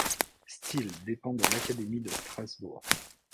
Still dépend de l'académie de Strasbourg.